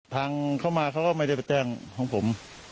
ทางเขามาเขาก็ไม่ได้ไปแจ้งของผม